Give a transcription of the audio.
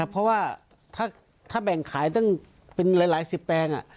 เพราะว่าถ้าแบ่งขายตั้งเป็นหลายสิบแปลง